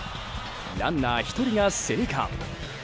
ランナー１人が生還。